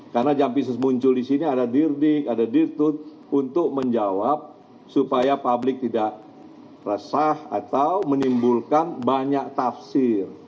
karena jampisus muncul di sini ada dirdik ada dirtut untuk menjawab supaya publik tidak resah atau menimbulkan banyak tafsir